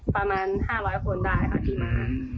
ประมาณ๕๐๐คนได้ค่ะที่มา